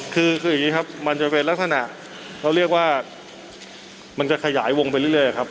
คือคืออย่างนี้ครับมันจะเป็นลักษณะเขาเรียกว่ามันจะขยายวงไปเรื่อยครับ